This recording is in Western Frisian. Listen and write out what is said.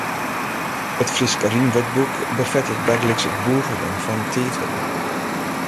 It Frysk rymwurdboek befettet bygelyks ek bûgingen fan tiidwurden.